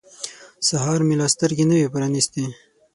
سهار مې لا سترګې نه وې پرانیستې.